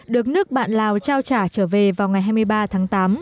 được nước bạn lào trao trả trở về vào ngày hai mươi ba tháng tám